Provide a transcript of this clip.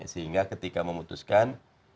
sehingga ketika memutuskan